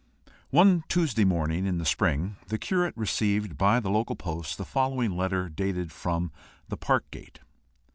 One Tuesday morning, in the spring, the curate received by the local post the following letter dated from The Park Gate.